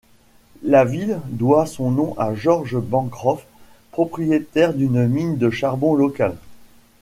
La ville doit son nom à George Bancroft, propriétaire d'une mine de charbon locale.